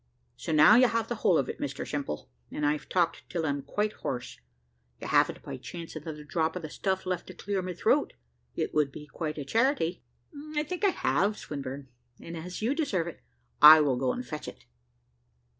So now you have the whole of it, Mr Simple, and I've talked till I'm quite hoarse. You havn't by chance another drop of the stuff left to clear my throat? It would be quite a charity." "I think I have, Swinburne; and as you deserve it, I will go and fetch it."